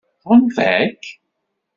Tɣunfa-k?